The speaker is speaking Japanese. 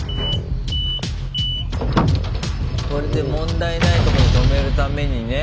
これで問題ないとこに止めるためにね。